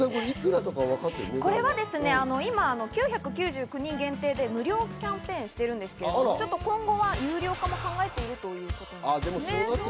これは今、９９９人限定で無料キャンペーンをしてるんですけど、今後は有料化も考えているということです。